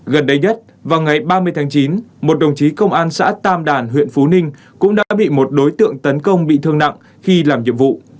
gần đây nhất vào ngày ba mươi tháng chín một đồng chí công an xã tam đàn huyện phú ninh cũng đã bị một đối tượng tấn công bị thương nặng khi làm nhiệm vụ